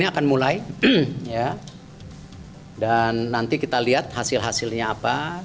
ini akan mulai dan nanti kita lihat hasil hasilnya apa